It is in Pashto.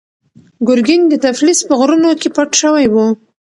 ګورګین د تفلیس په غرونو کې پټ شوی و.